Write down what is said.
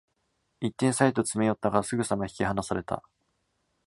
一点差へと詰め寄ったが、すぐさま引き離された